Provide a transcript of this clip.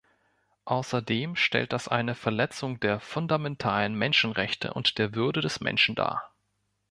Außerdem stellt das eine Verletzung der fundamentalen Menschenrechte und der Würde des Menschen dar.